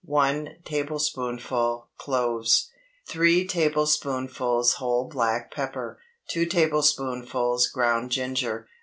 1 tablespoonful cloves. 3 tablespoonfuls whole black pepper. 2 tablespoonfuls ground ginger.